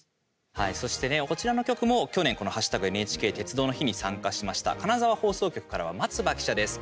はい、そしてねこちらの局も、去年この「＃ＮＨＫ鉄道の日」に参加しました金沢放送局からは松葉記者です。